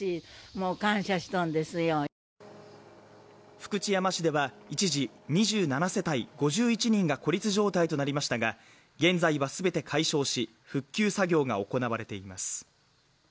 福知山市では一時２７世帯５１人が孤立状態となりましたが現在はすべて解消し復旧作業が行われています